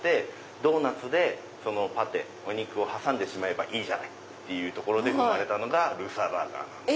ドーナツでパテを挟んでしまえばいいじゃないって生まれたのがルーサーバーガーなんです。